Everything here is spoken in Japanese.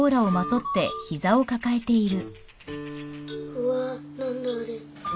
うわ何だあれ。